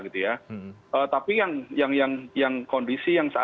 tapi yang kondisi